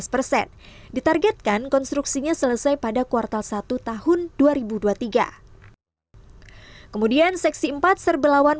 lima belas persen ditargetkan konstruksinya selesai pada kuartal satu tahun dua ribu dua puluh tiga kemudian seksi empat serbelawan